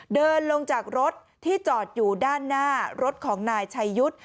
เดินลงจากรถที่จอดอยู่ด้านหน้ารถของนายชัยยุทธ์